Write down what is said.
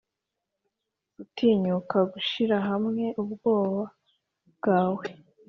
gutinyuka gushira hamwe ubwoba bwawe?